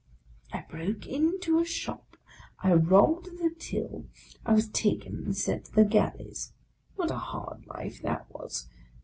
I broke into a shop, I robbed the till ; I was taken and sent to the Galleys. What a hard life that was!